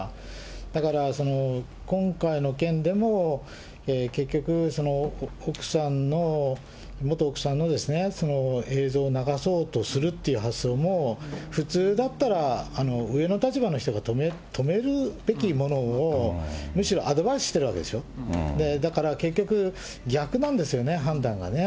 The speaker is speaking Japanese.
だから、今回の件でも結局、奥さんの、元奥さんの映像を流そうとするという発想も、普通だったら上の立場の人が止めるべきものを、むしろアドバイスしているわけでしょ、だから結局、逆なんですよね、判断がね。